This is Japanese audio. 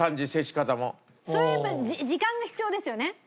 それはやっぱ時間が必要ですよね。